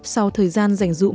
sau thời gian dành dụng